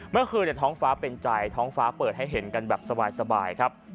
เมื่อคืนท้องฟ้าเป็นใจท้องฟ้าเปิดให้เห็นกันแบบสบายครับ